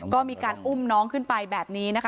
ก็มีการอุ้มน้องขึ้นไปแบบนี้นะคะ